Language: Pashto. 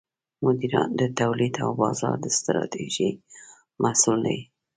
مدیران د تولید او بازار د ستراتیژۍ مسوول دي.